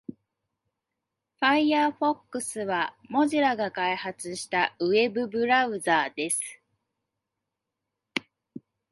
Firefox は Mozilla が開発したウェブブラウザーです。